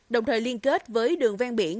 đồng thời liên kết với đường ven biển